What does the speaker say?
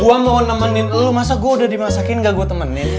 gue mau nemenin lo masa gue udah dimasakin gak gue temenin